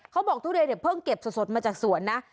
เขาบอกทุเรียนเดี๋ยวเพิ่งเก็บสดมาจากสวนนะ